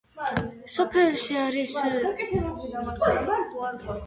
სოფელში არის საბაზო სკოლა, ბიბლიოთეკა, შუა საუკუნეების ციხე.